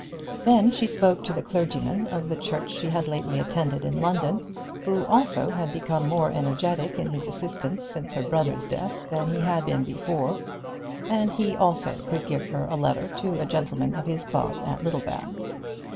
Then she spoke to the clergyman of the church she had lately attended in London who also had become more energetic in his assistance since her brother's death than he had been before, and he also could give her a letter to a gentleman of his cloth at Littlebath.